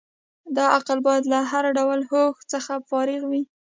دا عقل باید له هر ډول هوس څخه فارغ وي.